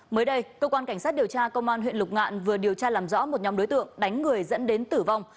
mới đây cơ quan cảnh sát điều tra công an huyện lục ngạn vừa điều tra làm rõ một nhóm đối tượng đánh người dẫn đến tử vong